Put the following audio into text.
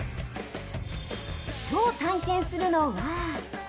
今日探検するのは。